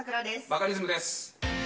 バカリズムです。